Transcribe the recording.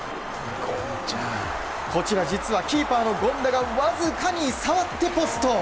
こちら実はキーパーの権田がわずかに触ってポスト！